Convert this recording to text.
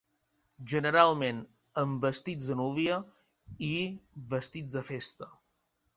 Generalment en vestits de núvia i vestits de festa.